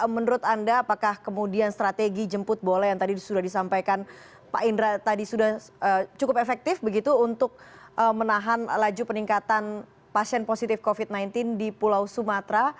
menurut anda apakah kemudian strategi jemput bola yang tadi sudah disampaikan pak indra tadi sudah cukup efektif begitu untuk menahan laju peningkatan pasien positif covid sembilan belas di pulau sumatera